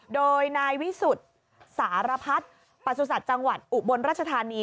โดยนายวิสุทธิ์สารพัฒน์ประสุทธิ์จังหวัดอุบลราชธานี